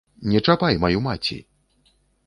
Не чапай маю маці!